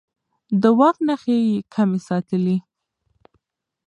د واک نښې يې کمې ساتلې.